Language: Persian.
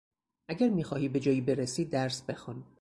اگر میخواهی به جایی برسی درس بخوان.